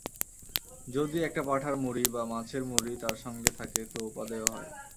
যদি একটা পাঁঠার মুড়ি বা মাছের মুড়ি তার সঙ্গে থাকে তো উপাদেয় হয়।